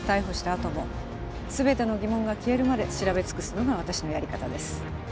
あとも全ての疑問が消えるまで調べ尽くすのが私のやり方です